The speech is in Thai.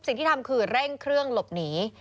สิ่งที่ทำคือเร่งเครื่องหลบหนี